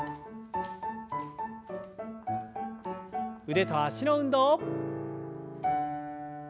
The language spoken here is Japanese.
腕と脚の運動。